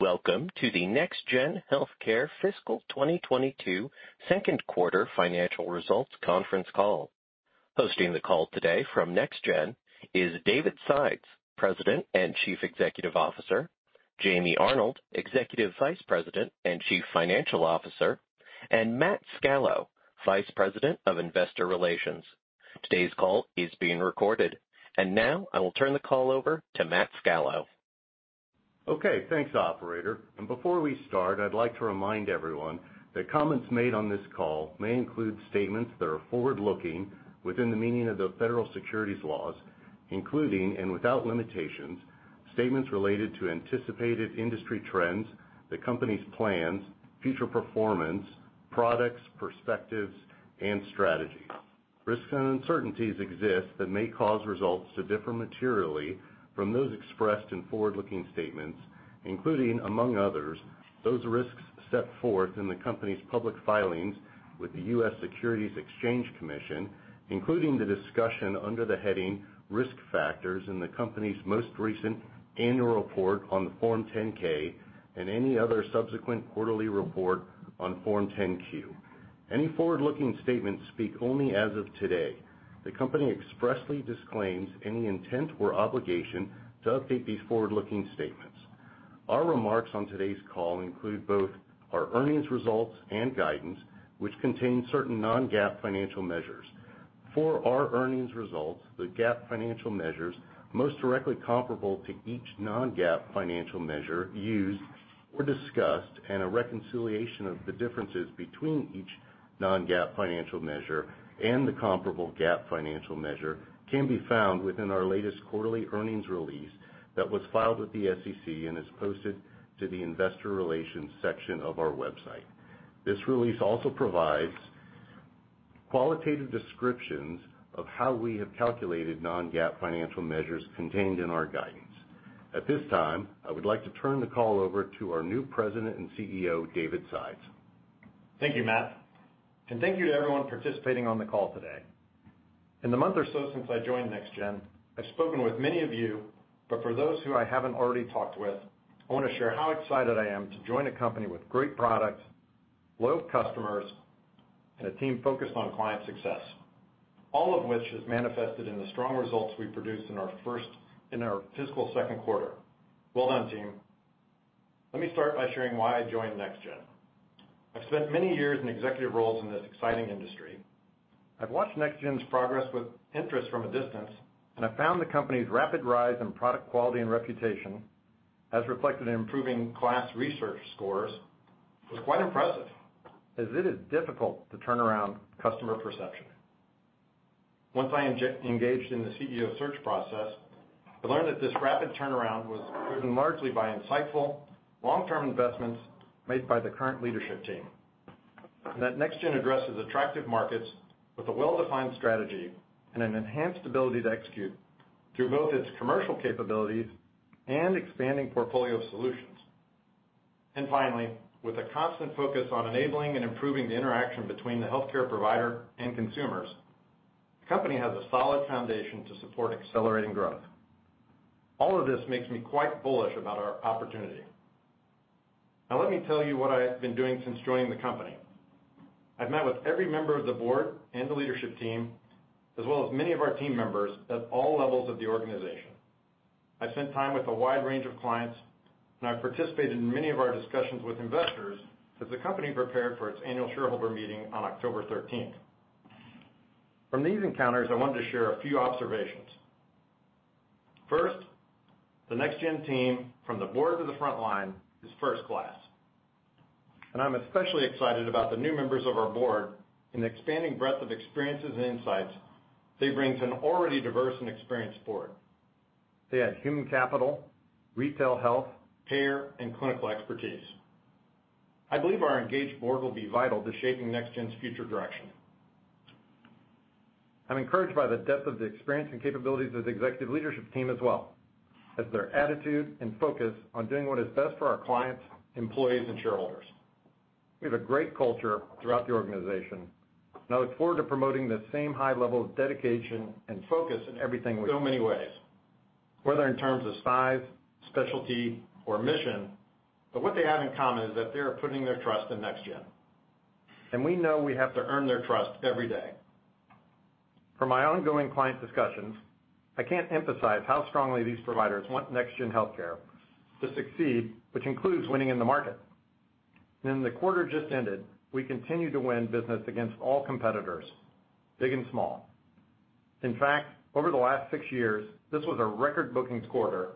Welcome to the NextGen Healthcare Fiscal 2022 Second Quarter Financial Results Conference Call. Hosting the call today from NextGen is David Sides, President and Chief Executive Officer, Jamie Arnold, Executive Vice President and Chief Financial Officer, and Matthew Scalo, Vice President of Investor Relations. Today's call is being recorded. Now I will turn the call over to Matthew Scalo. Okay. Thanks operator. Before we start, I'd like to remind everyone that comments made on this call may include statements that are forward-looking within the meaning of the federal securities laws, including, but without limitation, statements related to anticipated industry trends, the company's plans, future performance, products, perspectives, and strategies. Risks and uncertainties exist that may cause results to differ materially from those expressed in forward-looking statements, including, among others, those risks set forth in the company's public filings with the U.S. Securities and Exchange Commission, including the discussion under the heading Risk Factors in the company's most recent annual report on Form 10-K and any other subsequent quarterly report on Form 10-Q. Any forward-looking statements speak only as of today. The company expressly disclaims any intent or obligation to update these forward-looking statements. Our remarks on today's call include both our earnings results and guidance, which contain certain non-GAAP financial measures. For our earnings results, the GAAP financial measures most directly comparable to each non-GAAP financial measure used or discussed, and a reconciliation of the differences between each non-GAAP financial measure and the comparable GAAP financial measure can be found within our latest quarterly earnings release that was filed with the SEC and is posted to the investor relations section of our website. This release also provides qualitative descriptions of how we have calculated non-GAAP financial measures contained in our guidance. At this time, I would like to turn the call over to our new President and CEO, David Sides. Thank you Matt, and thank you to everyone participating on the call today. In the month or so since I joined NextGen, I've spoken with many of you, but for those who I haven't already talked with, I wanna share how excited I am to join a company with great products, loyal customers, and a team focused on client success. All of which is manifested in the strong results we produced in our fiscal second quarter. Well done, team. Let me start by sharing why I joined NextGen. I've spent many years in executive roles in this exciting industry. I've watched NextGen's progress with interest from a distance, and I found the company's rapid rise in product quality and reputation, as reflected in improving KLAS Research scores, was quite impressive, as it is difficult to turn around customer perception. Once I engaged in the CEO search process, I learned that this rapid turnaround was driven largely by insightful long-term investments made by the current leadership team. That NextGen addresses attractive markets with a well-defined strategy and an enhanced ability to execute through both its commercial capabilities and expanding portfolio solutions. Finally, with a constant focus on enabling and improving the interaction between the healthcare provider and consumers, the company has a solid foundation to support accelerating growth. All of this makes me quite bullish about our opportunity. Now, let me tell you what I have been doing since joining the company. I've met with every member of the board and the leadership team, as well as many of our team members at all levels of the organization. I've spent time with a wide range of clients, and I participated in many of our discussions with investors as the company prepared for its annual shareholder meeting on October 13th. From these encounters, I wanted to share a few observations. First, the NextGen team, from the board to the front line, is first class, and I'm especially excited about the new members of our board and the expanding breadth of experiences and insights they bring to an already diverse and experienced board. They add human capital, retail health, care, and clinical expertise. I believe our engaged board will be vital to shaping NextGen's future direction. I'm encouraged by the depth of the experience and capabilities of the executive leadership team as well, as their attitude and focus on doing what is best for our clients, employees, and shareholders. We have a great culture throughout the organization, and I look forward to promoting the same high level of dedication and focus in everything we do. Many ways, whether in terms of size, specialty, or mission, but what they have in common is that they are putting their trust in NextGen, and we know we have to earn their trust every day. From my ongoing client discussions, I can't emphasize how strongly these providers want NextGen Healthcare to succeed, which includes winning in the market. In the quarter just ended, we continued to win business against all competitors, big and small. In fact, over the last six years, this was a record bookings quarter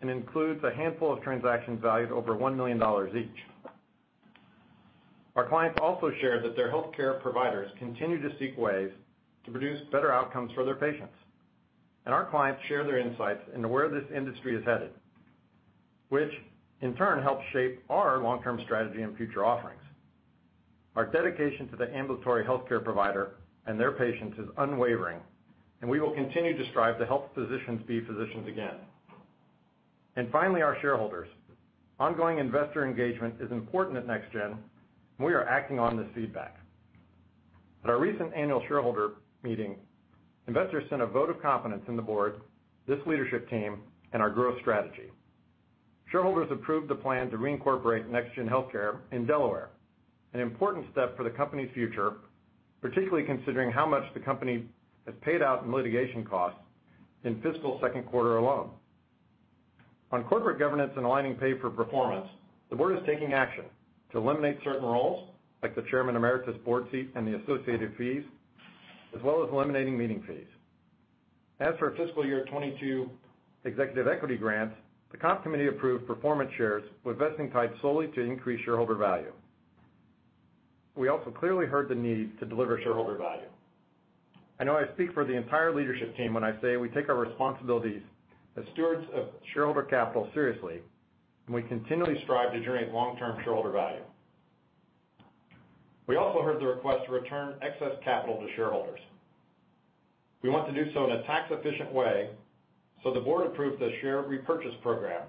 and includes a handful of transactions valued over $1 million each. Our clients also shared that their healthcare providers continue to seek ways to produce better outcomes for their patients. Our clients share their insights into where this industry is headed, which in turn helps shape our long-term strategy and future offerings. Our dedication to the ambulatory healthcare provider and their patients is unwavering, and we will continue to strive to help physicians be physicians again. Finally, our shareholders. Ongoing investor engagement is important at NextGen, and we are acting on this feedback. At our recent annual shareholder meeting, investors sent a vote of confidence in the board, this leadership team, and our growth strategy. Shareholders approved the plan to re-incorporate NextGen Healthcare in Delaware, an important step for the company's future, particularly considering how much the company has paid out in litigation costs in fiscal second quarter alone. On corporate governance and aligning pay for performance, the board is taking action to eliminate certain roles, like the chairman emeritus board seat and the associated fees, as well as eliminating meeting fees. As for our fiscal year 2022 executive equity grants, the comp committee approved performance shares with vesting tied solely to increased shareholder value. We also clearly heard the need to deliver shareholder value. I know I speak for the entire leadership team when I say we take our responsibilities as stewards of shareholder capital seriously, and we continually strive to generate long-term shareholder value. We also heard the request to return excess capital to shareholders. We want to do so in a tax-efficient way, so the board approved a share repurchase program.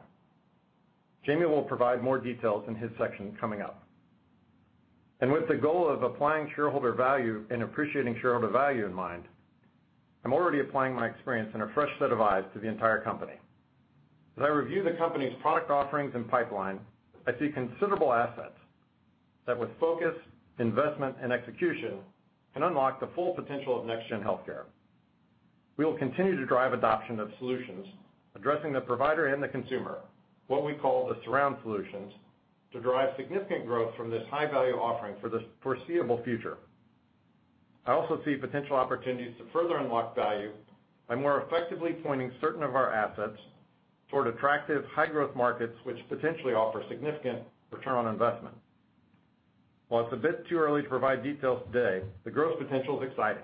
Jamie will provide more details in his section coming up. With the goal of applying shareholder value and appreciating shareholder value in mind, I'm already applying my experience and a fresh set of eyes to the entire company. As I review the company's product offerings and pipeline, I see considerable assets that with focus, investment, and execution, can unlock the full potential of NextGen Healthcare. We will continue to drive adoption of solutions addressing the provider and the consumer, what we call the surround solutions, to drive significant growth from this high-value offering for the foreseeable future. I also see potential opportunities to further unlock value by more effectively pointing certain of our assets toward attractive high-growth markets, which potentially offer significant return on investment. While it's a bit too early to provide details today, the growth potential is exciting.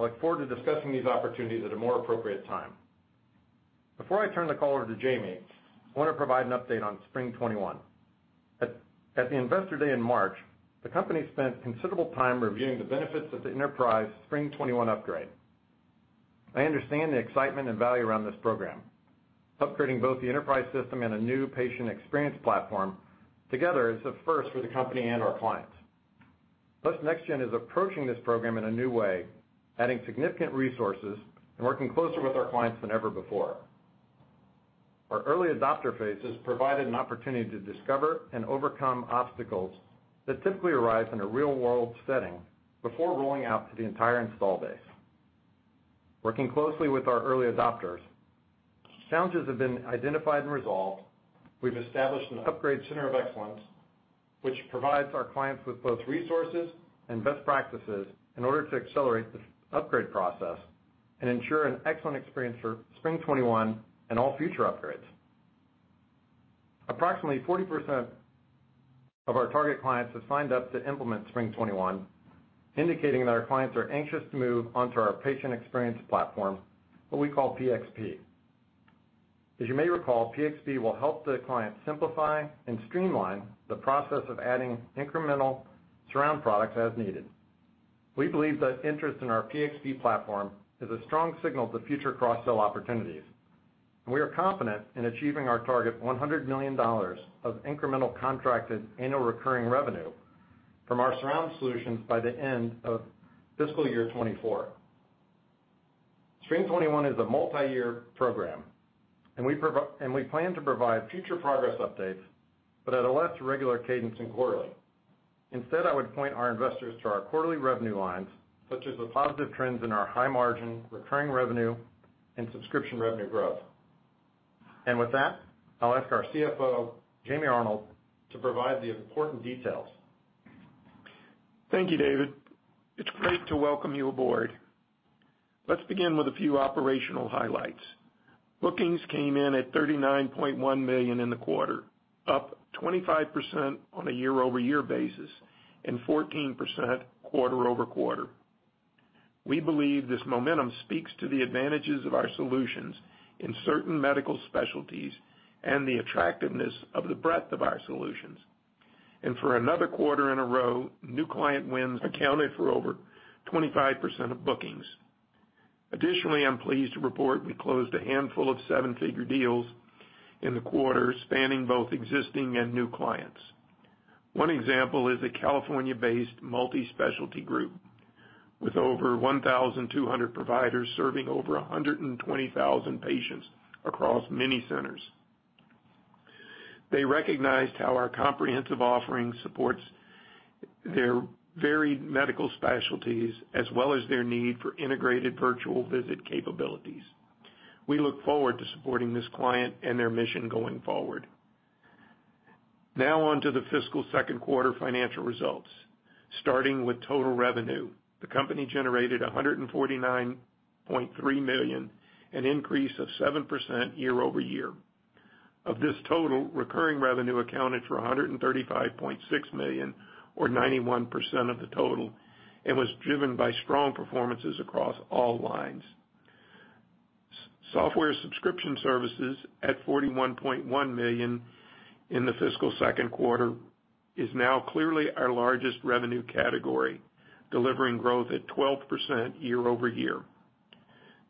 I look forward to discussing these opportunities at a more appropriate time. Before I turn the call over to Jamie, I want to provide an update on Spring '21. At the Investor Day in March, the company spent considerable time reviewing the benefits of the enterprise Spring '21 upgrade. I understand the excitement and value around this program. Upgrading both the enterprise system and a new Patient Experience Platform together is a first for the company and our clients. Plus, NextGen is approaching this program in a new way, adding significant resources and working closer with our clients than ever before. Our early adopter phases provided an opportunity to discover and overcome obstacles that typically arise in a real-world setting before rolling out to the entire install base. Working closely with our early adopters, challenges have been identified and resolved. We've established an Upgrades Center of Excellence, which provides our clients with both resources and best practices in order to accelerate the upgrade process and ensure an excellent experience for Spring '21 and all future upgrades. Approximately 40% of our target clients have signed up to implement Spring '21, indicating that our clients are anxious to move onto our patient experience platform, what we call PXP. As you may recall, PXP will help the client simplify and streamline the process of adding incremental surround products as needed. We believe that interest in our PXP platform is a strong signal to future cross-sell opportunities. We are confident in achieving our target $100 million of incremental contracted annual recurring revenue from our surround solutions by the end of fiscal year 2024. Spring '21 is a multiyear program, and we plan to provide future progress updates, but at a less regular cadence than quarterly. Instead, I would point our investors to our quarterly revenue lines, such as the positive trends in our high-margin recurring revenue and subscription revenue growth. With that, I'll ask our CFO, Jamie Arnold, to provide the important details. Thank you David. It's great to welcome you aboard. Let's begin with a few operational highlights. Bookings came in at $39.1 million in the quarter, up 25% on a year-over-year basis and 14% quarter-over-quarter. We believe this momentum speaks to the advantages of our solutions in certain medical specialties and the attractiveness of the breadth of our solutions. For another quarter in a row, new client wins accounted for over 25% of bookings. Additionally, I'm pleased to report we closed a handful of 7-figure deals in the quarter, spanning both existing and new clients. One example is a California-based multi-specialty group with over 1,200 providers serving over 120,000 patients across many centers. They recognized how our comprehensive offering supports their varied medical specialties as well as their need for integrated virtual visit capabilities. We look forward to supporting this client and their mission going forward. Now on to the fiscal second quarter financial results. Starting with total revenue, the company generated $149.3 million, an increase of 7% year-over-year. Of this total, recurring revenue accounted for $135.6 million or 91% of the total, and was driven by strong performances across all lines. Software subscription services at $41.1 million in the fiscal second quarter is now clearly our largest revenue category, delivering growth at 12% year-over-year.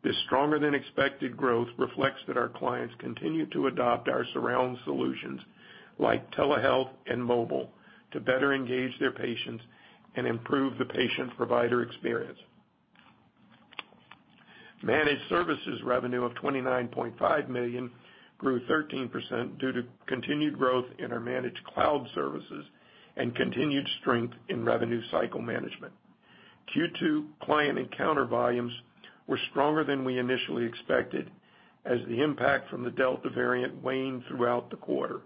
This stronger than expected growth reflects that our clients continue to adopt our surround solutions like telehealth and mobile to better engage their patients and improve the patient provider experience. Managed services revenue of $29.5 million grew 13% due to continued growth in our managed cloud services and continued strength in revenue cycle management. Q2 client encounter volumes were stronger than we initially expected as the impact from the Delta variant waned throughout the quarter.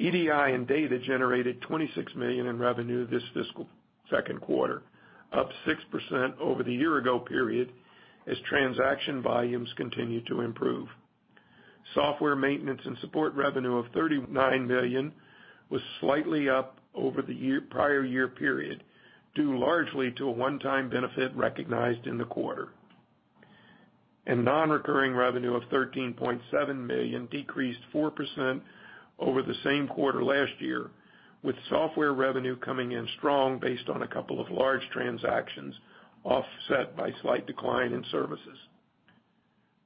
EDI and data generated $26 million in revenue this fiscal second quarter, up 6% over the year ago period as transaction volumes continued to improve. Software maintenance and support revenue of $39 million was slightly up over the year-prior year period, due largely to a one-time benefit recognized in the quarter. Non-recurring revenue of $13.7 million decreased 4% over the same quarter last year, with software revenue coming in strong based on a couple of large transactions, offset by slight decline in services.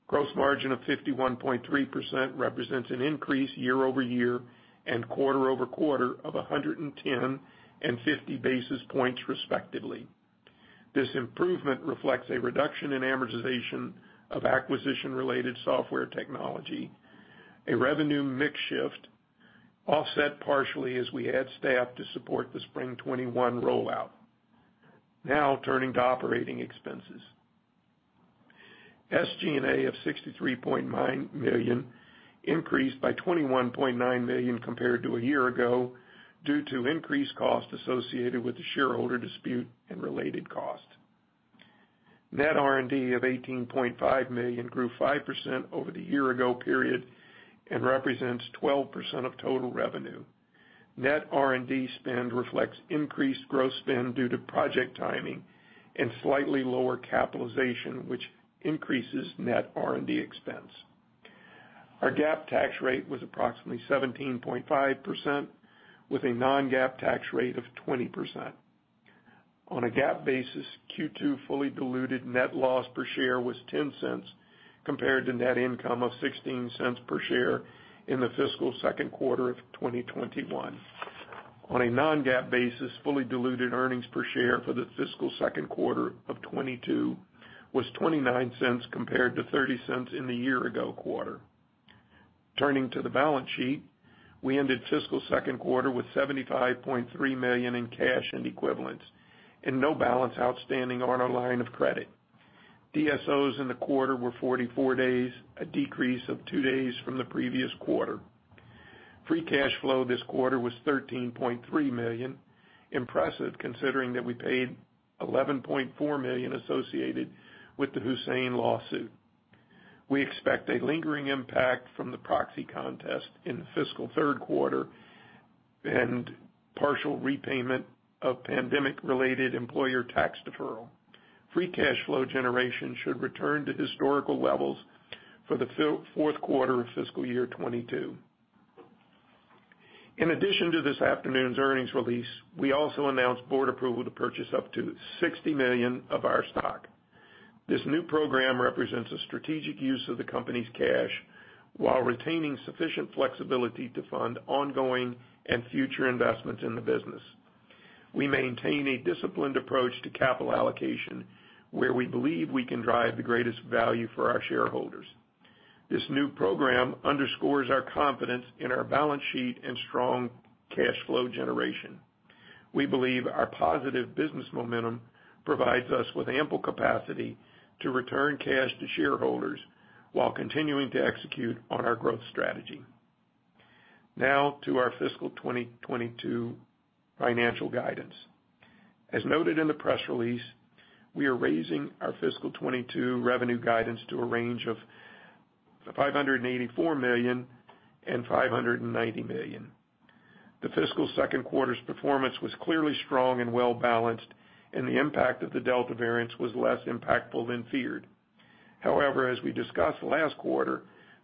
Gross margin of 51.3% represents an increase year-over-year and quarter-over-quarter of 110 and 50 basis points respectively. This improvement reflects a reduction in amortization of acquisition-related software technology, a revenue mix shift offset partially as we add staff to support the Spring '21 rollout. Now turning to operating expenses. SG&A of $63.9 million increased by $21.9 million compared to a year ago due to increased costs associated with the shareholder dispute and related cost. Net R&D of $18.5 million grew 5% over the year-ago period and represents 12% of total revenue. Net R&D spend reflects increased gross spend due to project timing and slightly lower capitalization, which increases net R&D expense. Our GAAP tax rate was approximately 17.5%, with a non-GAAP tax rate of 20%. On a GAAP basis, Q2 fully diluted net loss per share was -$0.10 compared to net income of $0.16 per share in the fiscal second quarter of 2021. On a non-GAAP basis, fully diluted earnings per share for the fiscal second quarter of 2022 was $0.29 compared to $0.30 in the year ago quarter. Turning to the balance sheet, we ended fiscal second quarter with $75.3 million in cash and equivalents, and no balance outstanding on our line of credit. DSOs in the quarter were 44 days, a decrease of 2 days from the previous quarter. Free cash flow this quarter was $13.3 million. Impressive, considering that we paid $11.4 million associated with the Hussein lawsuit. We expect a lingering impact from the proxy contest in the fiscal third quarter and partial repayment of pandemic related employer tax deferral. Free cash flow generation should return to historical levels for the fourth quarter of fiscal year 2022. In addition to this afternoon's earnings release, we also announced board approval to purchase up to $60 million of our stock. This new program represents a strategic use of the company's cash while retaining sufficient flexibility to fund ongoing and future investments in the business. We maintain a disciplined approach to capital allocation where we believe we can drive the greatest value for our shareholders. This new program underscores our confidence in our balance sheet and strong cash flow generation. We believe our positive business momentum provides us with ample capacity to return cash to shareholders while continuing to execute on our growth strategy. Now to our fiscal 2022 financial guidance. As noted in the press release, we are raising our fiscal 2022 revenue guidance to a range of $584 million-$590 million. The fiscal second quarter's performance was clearly strong and well balanced, and the impact of the Delta variant was less impactful than feared. However, as we discussed last quarter,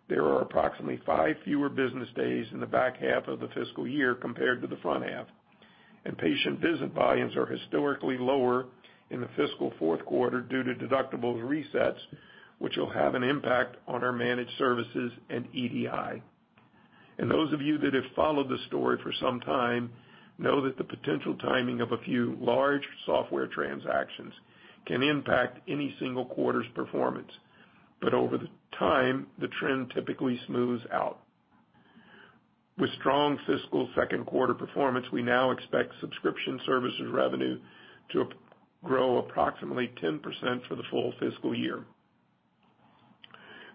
there are approximately 5 fewer business days in the back half of the fiscal year compared to the front half, and patient visit volumes are historically lower in the fiscal fourth quarter due to deductibles resets, which will have an impact on our managed services and EDI. Those of you that have followed the story for some time know that the potential timing of a few large software transactions can impact any single quarter's performance. Over time, the trend typically smooths out. With strong fiscal second quarter performance, we now expect subscription services revenue to grow approximately 10% for the full fiscal year.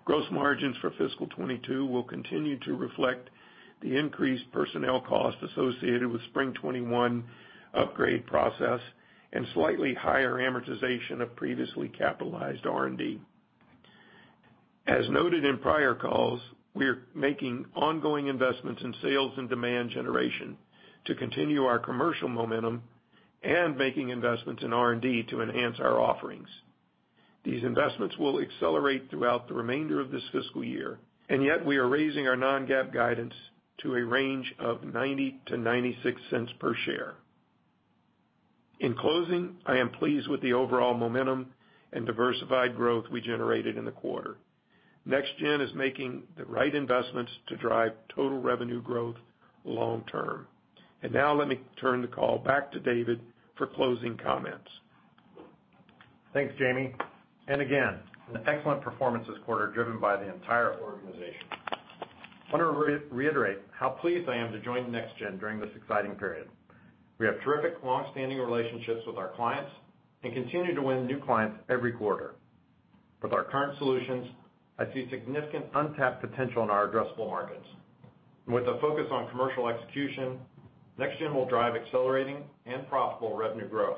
Gross margins for fiscal 2022 will continue to reflect the increased personnel cost associated with Spring '21 upgrade process and slightly higher amortization of previously capitalized R&D. As noted in prior calls, we are making ongoing investments in sales and demand generation to continue our commercial momentum and making investments in R&D to enhance our offerings. These investments will accelerate throughout the remainder of this fiscal year, and yet we are raising our non-GAAP guidance to a range of $0.90-$0.96 per share. In closing, I am pleased with the overall momentum and diversified growth we generated in the quarter. NextGen is making the right investments to drive total revenue growth long term. Now let me turn the call back to David for closing comments. Thanks Jamie. Again, an excellent performance this quarter driven by the entire organization. I wanna reiterate how pleased I am to join NextGen during this exciting period. We have terrific long-standing relationships with our clients and continue to win new clients every quarter. With our current solutions, I see significant untapped potential in our addressable markets. With a focus on commercial execution, NextGen will drive accelerating and profitable revenue growth.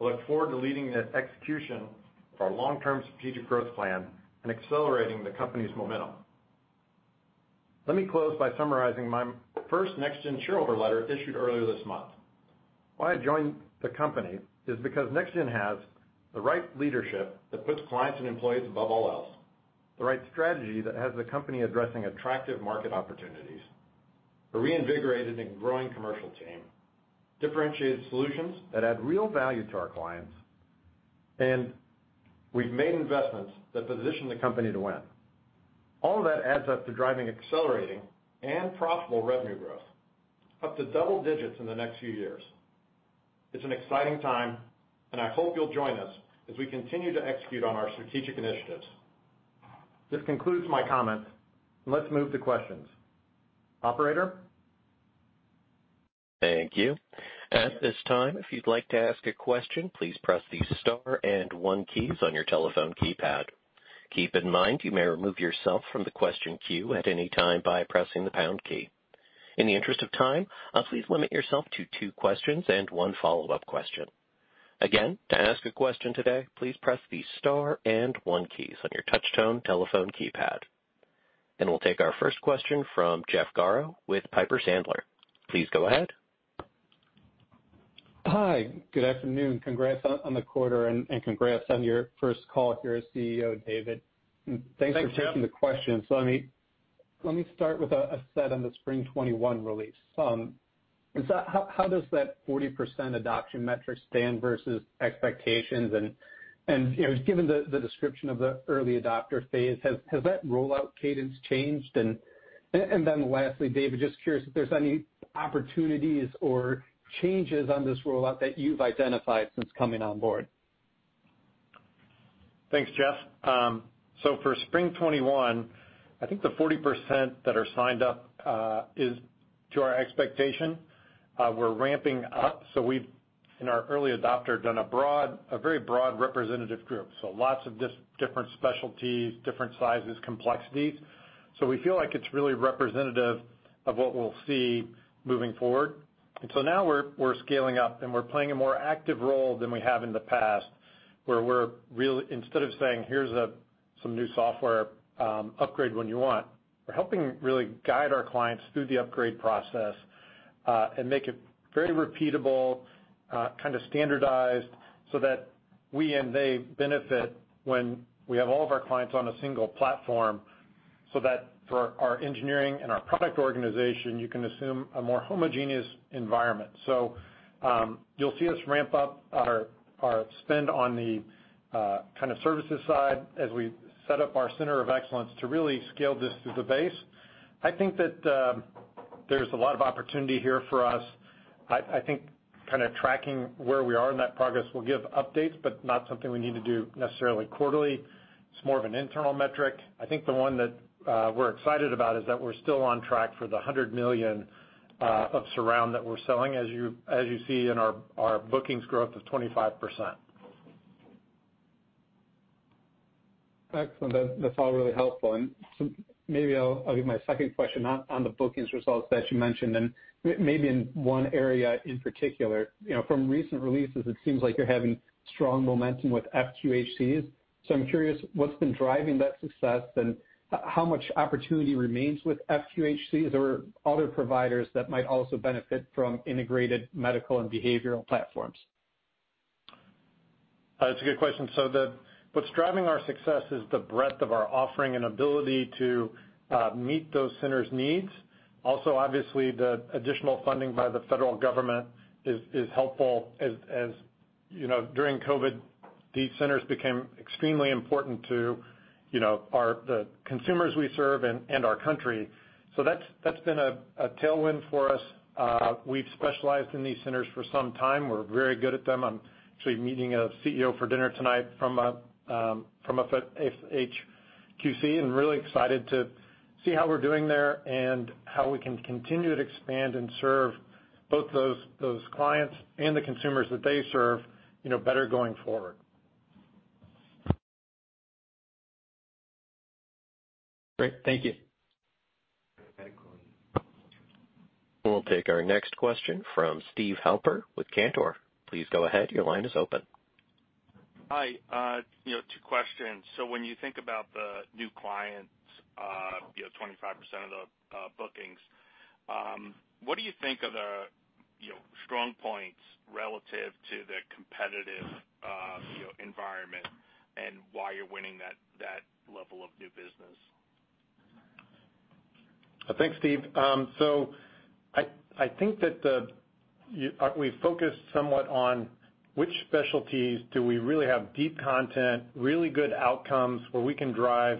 I look forward to leading the execution of our long-term strategic growth plan and accelerating the company's momentum. Let me close by summarizing my first NextGen shareholder letter issued earlier this month. Why I joined the company is because NextGen has the right leadership that puts clients and employees above all else, the right strategy that has the company addressing attractive market opportunities, a reinvigorated and growing commercial team, differentiated solutions that add real value to our clients, and we've made investments that position the company to win. All of that adds up to driving accelerating and profitable revenue growth, up to double digits in the next few years. It's an exciting time, and I hope you'll join us as we continue to execute on our strategic initiatives. This concludes my comments. Let's move to questions. Operator? Thank you. At this time, if you'd like to ask a question, please press the star and one keys on your telephone keypad. Keep in mind, you may remove yourself from the question queue at any time by pressing the pound key. In the interest of time, please limit yourself to two questions and one follow-up question. Again, to ask a question today, please press the star and one keys on your touch tone telephone keypad. We'll take our first question from Jeff Garro with Piper Sandler. Please go ahead. Hi, good afternoon. Congrats on the quarter and congrats on your first call here as CEO, David. Thanks Jeff. Thanks for taking the question. Let me start with a set on the Spring '21 release. How does that 40% adoption metric stand versus expectations? You know, given the description of the early adopter phase, has that rollout cadence changed? Then lastly, David, just curious if there's any opportunities or changes on this rollout that you've identified since coming on board. Thanks Jeff. For Spring '21, I think the 40% that are signed up is to our expectation. We're ramping up, so we've in our early adopter done a very broad representative group. Lots of different specialties, different sizes, complexities. We feel like it's really representative of what we'll see moving forward. Now we're scaling up, and we're playing a more active role than we have in the past, where instead of saying, "Here's some new software upgrade when you want," we're helping really guide our clients through the upgrade process and make it very repeatable, kind of standardized so that we and they benefit when we have all of our clients on a single platform, so that for our engineering and our product organization, you can assume a more homogeneous environment. You'll see us ramp up our spend on the kind of services side as we set up our center of excellence to really scale this through the base. I think that there's a lot of opportunity here for us. I think kind of tracking where we are in that progress, we'll give updates, but not something we need to do necessarily quarterly. It's more of an internal metric. I think the one that we're excited about is that we're still on track for the $100 million of Surround that we're selling as you see in our bookings growth of 25%. Excellent. That's all really helpful. Maybe I'll give my second question on the bookings results that you mentioned and maybe in one area in particular. You know, from recent releases, it seems like you're having strong momentum with FQHCs. I'm curious what's been driving that success and how much opportunity remains with FQHCs or other providers that might also benefit from integrated medical and behavioral platforms? That's a good question. What's driving our success is the breadth of our offering and ability to meet those centers' needs. Also, obviously, the additional funding by the federal government is helpful as you know, during COVID, these centers became extremely important to you know, the consumers we serve and our country. That's been a tailwind for us. We've specialized in these centers for some time. We're very good at them. I'm actually meeting a CEO for dinner tonight from a FQHC, and really excited to see how we're doing there and how we can continue to expand and serve both those clients and the consumers that they serve, you know, better going forward. Great. Thank you. We'll take our next question from Steve Halper with Cantor. Please go ahead. Your line is open. Hi, you know, two questions. When you think about the new clients, you know, 25% of the bookings, what do you think are the, you know, strong points relative to the competitive, you know, environment and why you're winning that level of new business? Thanks Steve. I think that we focused somewhat on which specialties do we really have deep content, really good outcomes, where we can drive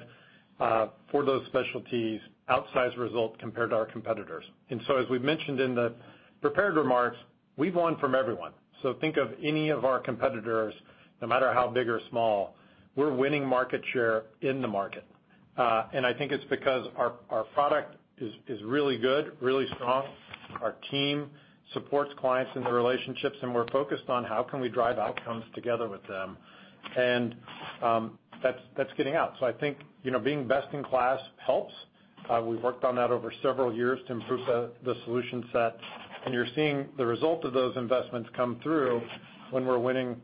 for those specialties outsized results compared to our competitors. As we've mentioned in the prepared remarks, we've won from everyone. Think of any of our competitors, no matter how big or small, we're winning market share in the market. I think it's because our product is really good, really strong. Our team supports clients in the relationships, and we're focused on how can we drive outcomes together with them. That's getting out. I think, you know, being best in class helps. We've worked on that over several years to improve the solution set, and you're seeing the result of those investments come through when we're winning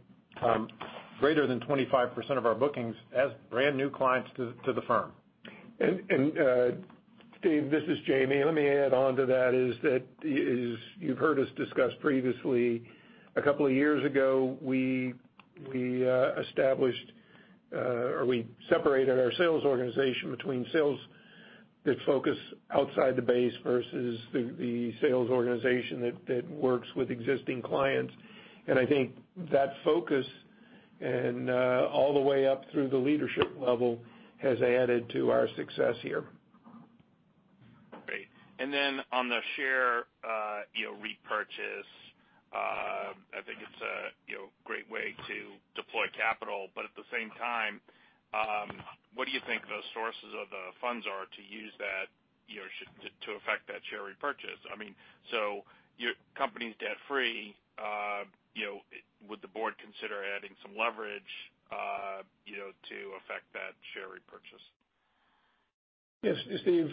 greater than 25% of our bookings as brand new clients to the firm. Steve, this is Jamie. Let me add on to that is as you've heard us discuss previously, a couple of years ago, we established or we separated our sales organization between sales that focus outside the base versus the sales organization that works with existing clients. I think that focus and all the way up through the leadership level has added to our success here. Great. Then on the share repurchase, I think it's a great way to deploy capital, but at the same time, what do you think the sources of the funds are to use that to effect that share repurchase? I mean, your company's debt-free, would the board consider adding some leverage to effect that share repurchase? Yes. Steve,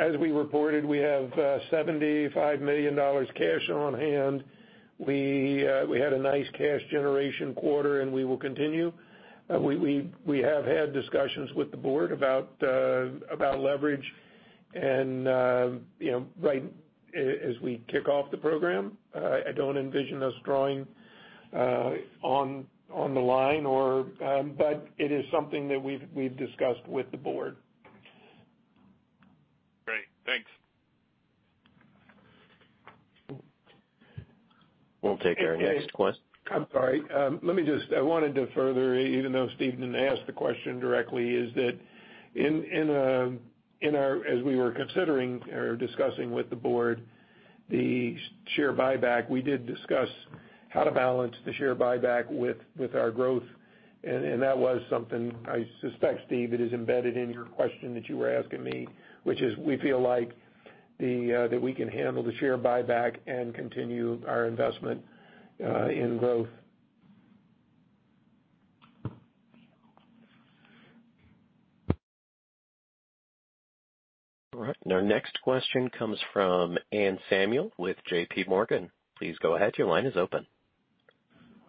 as we reported, we have $75 million cash on hand. We had a nice cash generation quarter, and we will continue. We have had discussions with the board about leverage and, you know, right as we kick off the program, I don't envision us drawing on the line or, but it is something that we've discussed with the board. Great. Thanks. We'll take our next question. I'm sorry. I wanted to further, even though Steve didn't ask the question directly, is that in our, as we were considering or discussing with the board the share buyback, we did discuss how to balance the share buyback with our growth. That was something I suspect, Steve, it is embedded in your question that you were asking me, which is we feel like that we can handle the share buyback and continue our investment in growth. All right, our next question comes from Anne Samuel with JPMorgan. Please go ahead. Your line is open.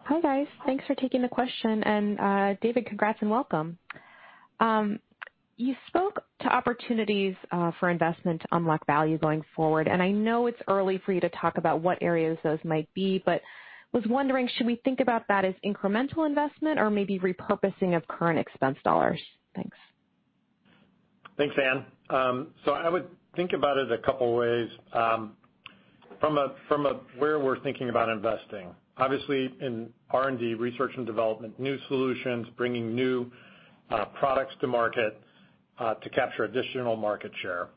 Hi, guys. Thanks for taking the question, and David, congrats and welcome. You spoke to opportunities for investment to unlock value going forward, and I know it's early for you to talk about what areas those might be, but was wondering, should we think about that as incremental investment or maybe repurposing of current expense dollars? Thanks. Thanks, Anne. I would think about it a couple ways, from a where we're thinking about investing. Obviously, in R&D, research and development, new solutions, bringing new products to market to capture additional market share.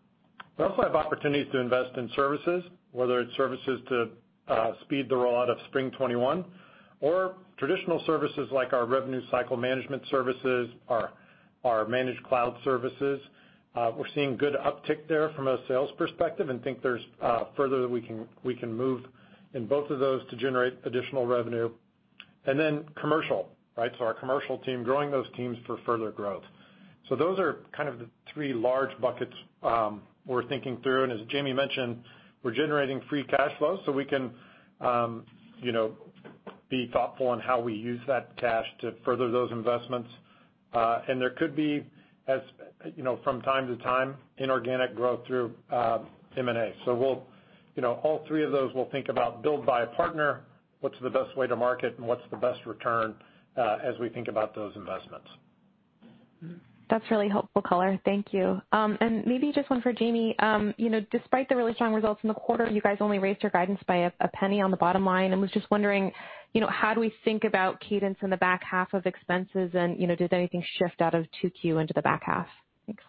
We also have opportunities to invest in services, whether it's services to speed the rollout of Spring '21 or traditional services like our revenue cycle management services, our managed cloud services. We're seeing good uptick there from a sales perspective and think there's further that we can move in both of those to generate additional revenue. Then commercial, right? Our commercial team, growing those teams for further growth. Those are kind of the three large buckets we're thinking through. As Jamie mentioned, we're generating free cash flow, so we can, you know, be thoughtful on how we use that cash to further those investments. There could be, as, you know, from time to time, inorganic growth through, M&A. We'll, you know, all three of those we'll think about build, buy, partner, what's the best way to market, and what's the best return, as we think about those investments. That's really helpful color. Thank you. Maybe just one for Jamie. You know, despite the really strong results in the quarter, you guys only raised your guidance by a penny on the bottom line, and I was just wondering, you know, how do we think about cadence in the back half of expenses and, you know, did anything shift out of Q2 into the back half? Thanks.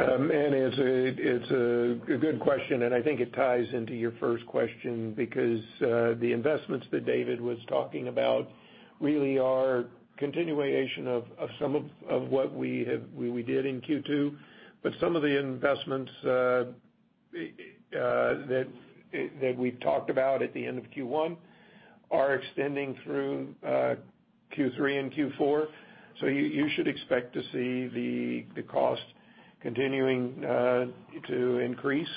Anne, it's a good question, and I think it ties into your first question because the investments that David was talking about really are continuation of some of what we did in Q2. Some of the investments we've talked about at the end of Q1 are extending through Q3 and Q4. You should expect to see the cost continuing to increase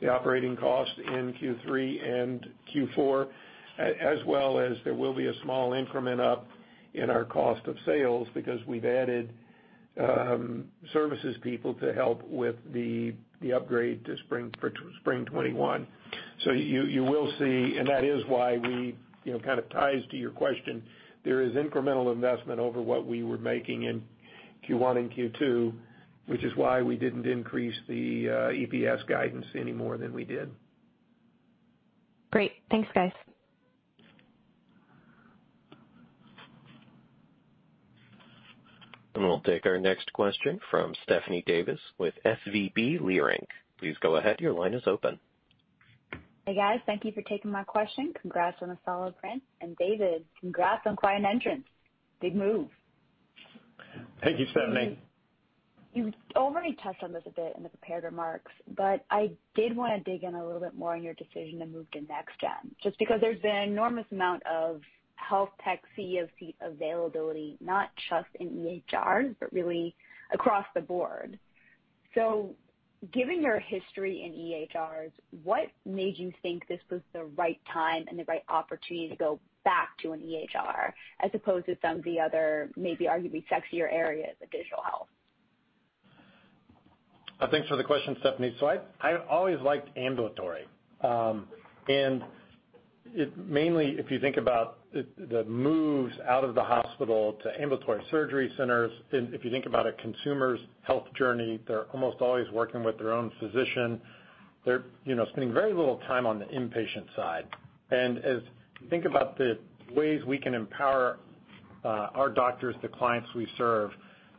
the operating cost in Q3 and Q4, as well as there will be a small increment up in our cost of sales because we've added services people to help with the upgrade to Spring '21. You will see, and that is why we, you know, kind of ties to your question. There is incremental investment over what we were making in Q1 and Q2, which is why we didn't increase the EPS guidance any more than we did. Great. Thanks guys. We'll take our next question from Stephanie Davis with SVB Leerink. Please go ahead. Your line is open. Hey, guys. Thank you for taking my question. Congrats on a solid print. David, congrats on quiet entrance. Big move. Thank you Stephanie. You've already touched on this a bit in the prepared remarks, but I did wanna dig in a little bit more on your decision to move to NextGen, just because there's been enormous amount of health tech CEO seat availability, not just in EHR, but really across the board. Given your history in EHRs, what made you think this was the right time and the right opportunity to go back to an EHR as opposed to some of the other, maybe arguably sexier areas of digital health? Thanks for the question, Stephanie. I always liked ambulatory. It mainly, if you think about the moves out of the hospital to ambulatory surgery centers, and if you think about a consumer's health journey, they're almost always working with their own physician. They're, you know, spending very little time on the inpatient side. As you think about the ways we can empower our doctors, the clients we serve,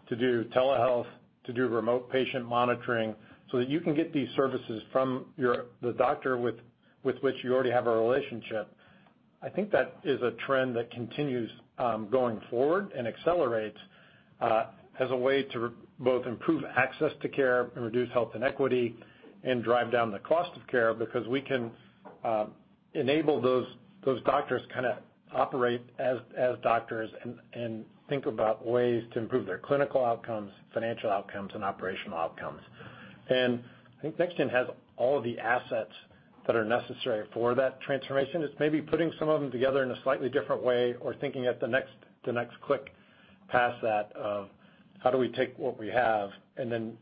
to do telehealth, to do remote patient monitoring, so that you can get these services from your doctor with which you already have a relationship. I think that is a trend that continues going forward and accelerates as a way to both improve access to care and reduce health inequity and drive down the cost of care because we can enable those doctors kinda operate as doctors and think about ways to improve their clinical outcomes, financial outcomes, and operational outcomes. I think NextGen has all the assets that are necessary for that transformation. It's maybe putting some of them together in a slightly different way or thinking at the next click past that of how do we take what we have and then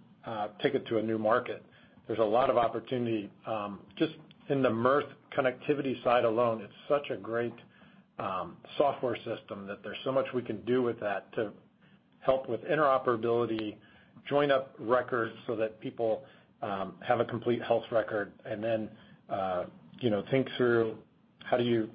take it to a new market. There's a lot of opportunity just in the MirthConnect side alone. It's such a great software system that there's so much we can do with that to help with interoperability, join up records so that people have a complete health record, and then you know, think through how do you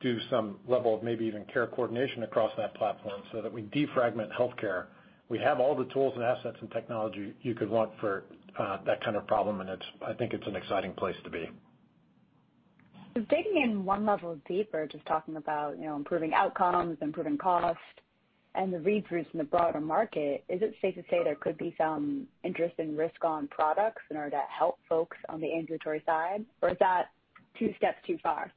do some level of maybe even care coordination across that platform so that we defragment healthcare. We have all the tools and assets and technology you could want for that kind of problem, and I think it's an exciting place to be. Digging in one level deeper, just talking about, you know, improving outcomes, improving costs, and the read-throughs in the broader market, is it safe to say there could be some interesting risk on products in order to help folks on the ambulatory side, or is that two steps too far?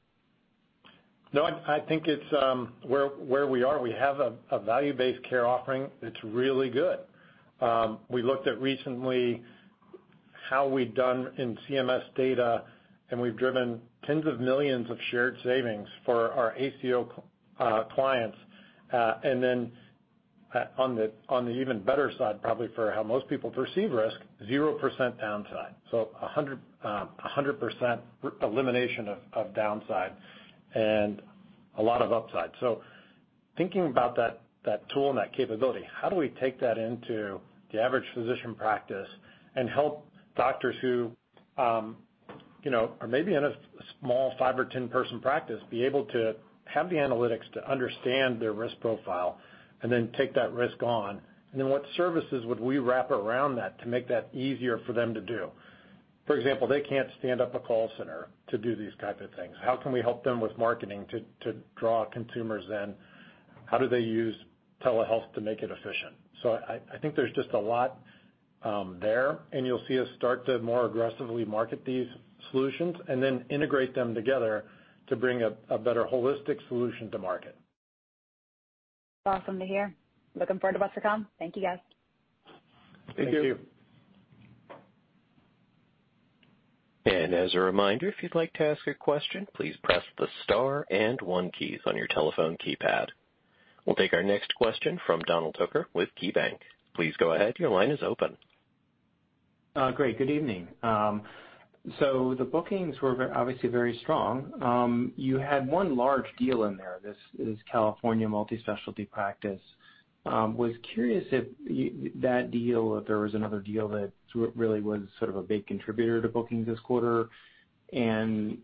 No, I think it's where we are. We have a value-based care offering that's really good. We looked at recently how we've done in CMS data, and we've driven $10s of millions of shared savings for our ACO clients. And then, on the even better side, probably for how most people perceive risk, 0% downside. A hundred percent elimination of downside and a lot of upside. Thinking about that tool and that capability, how do we take that into the average physician practice and help doctors who, you know, are maybe in a small five or 10-person practice be able to have the analytics to understand their risk profile and then take that risk on? What services would we wrap around that to make that easier for them to do? For example, they can't stand up a call center to do these types of things. How can we help them with marketing to draw consumers in? How do they use telehealth to make it efficient? I think there's just a lot there, and you'll see us start to more aggressively market these solutions and then integrate them together to bring a better holistic solution to market. Awesome to hear. Looking forward to what's to come. Thank you, guys. Thank you. Thank you. As a reminder, if you'd like to ask a question, please press the star and one keys on your telephone keypad. We'll take our next question from Donald Hooker with KeyBanc. Please go ahead. Your line is open. Great. Good evening. So the bookings were obviously very strong. You had one large deal in there, this California multispecialty practice. I was curious if that deal, if there was another deal that sort of really was sort of a big contributor to bookings this quarter. I'm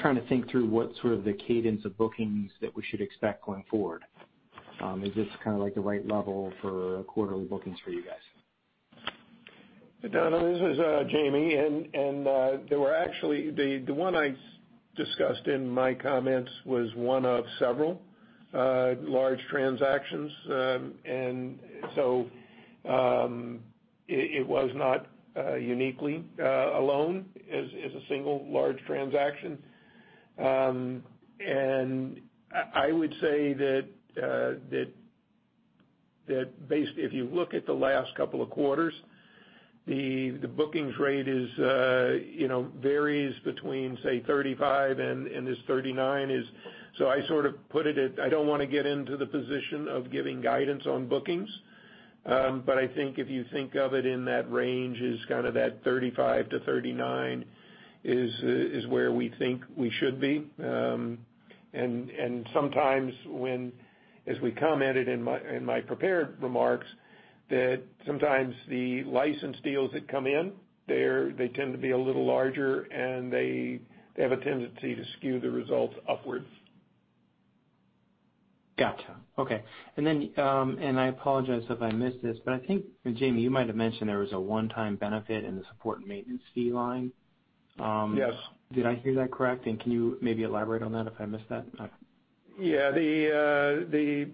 trying to think through what sort of the cadence of bookings that we should expect going forward. Is this kinda like the right level for quarterly bookings for you guys? Donald, this is Jamie. There were actually. The one I discussed in my comments was one of several large transactions. It was not uniquely alone as a single large transaction. I would say that if you look at the last couple of quarters, the bookings rate, you know, varies between, say, $35 and $39. I sort of put it at I don't wanna get into the position of giving guidance on bookings. But I think if you think of it in that range is kinda that $35-$39 is where we think we should be. Sometimes when, as we commented in my prepared remarks, that sometimes the license deals that come in, they tend to be a little larger, and they have a tendency to skew the results upwards. Gotcha. Okay. I apologize if I missed this, but I think, Jamie, you might have mentioned there was a one-time benefit in the support and maintenance fee line. Yes. Did I hear that correct? Can you maybe elaborate on that if I missed that? Yeah. There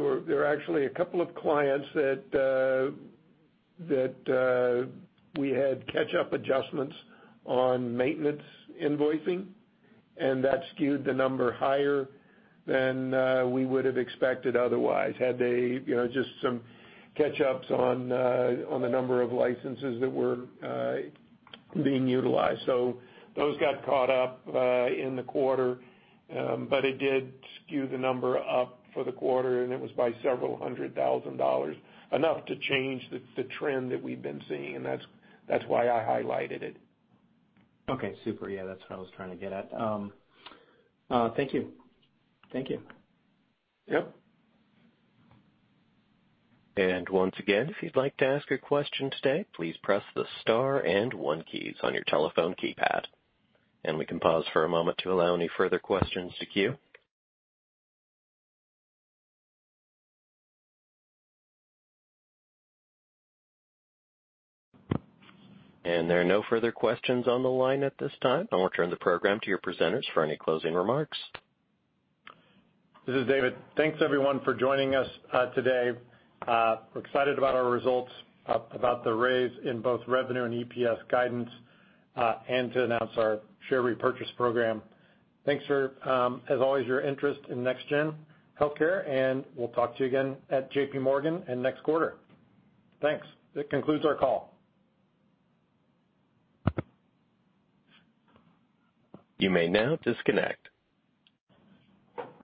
were actually a couple of clients that we had catch-up adjustments on maintenance invoicing, and that skewed the number higher than we would have expected otherwise. Had they, you know, just some catch-ups on the number of licenses that were being utilized. Those got caught up in the quarter. It did skew the number up for the quarter, and it was by several $100,000, enough to change the trend that we've been seeing, and that's why I highlighted it. Okay, super. Yeah, that's what I was trying to get at. Thank you. Thank you. Yep. Once again, if you'd like to ask a question today, please press the star and one keys on your telephone keypad. We can pause for a moment to allow any further questions to queue. There are no further questions on the line at this time. I'll return the program to your presenters for any closing remarks. This is David Sides. Thanks, everyone, for joining us today. We're excited about our results about the raise in both revenue and EPS guidance and to announce our share repurchase program. Thanks for, as always, your interest in NextGen Healthcare, and we'll talk to you again at JP Morgan and next quarter. Thanks. That concludes our call. You may now disconnect.